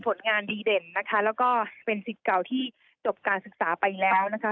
ผลงานดีเด่นนะคะแล้วก็เป็นสิทธิ์เก่าที่จบการศึกษาไปแล้วนะคะ